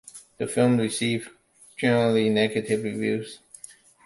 The film received generally negative reviews.